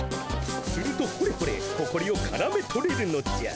するとほれほれほこりをからめとれるのじゃ。